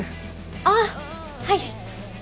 あっはい。